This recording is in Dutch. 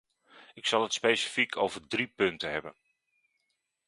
Ik zal het specifiek over drie punten hebben.